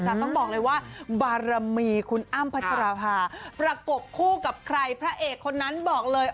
แต่ต้องบอกเลยว่าบารมีคุณอ้ำพัชราภาประกบคู่กับใครพระเอกคนนั้นบอกเลย